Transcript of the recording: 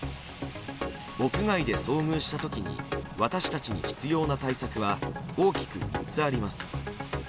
屋外で遭遇した時に私たちに必要な対策は大きく３つあります。